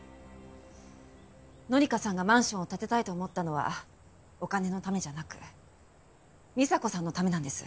紀香さんがマンションを建てたいと思ったのはお金のためじゃなく美沙子さんのためなんです。